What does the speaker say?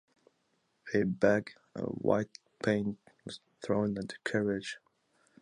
A bag of white paint was thrown at the carriage.